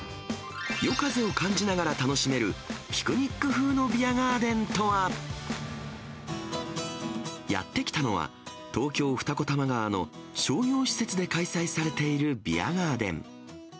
夜風を感じながら楽しめるピクニック風のビアガーデンとは。やって来たのは、東京・二子玉川の商業施設で開催されているビアガーデン。